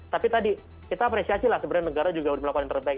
tapi tadi kita apresiasi lah sebenarnya negara juga melakukan yang terbaik